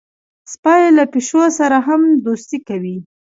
سپي له پیشو سره هم دوستي کوي.